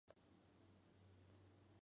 El lugar más común de todos.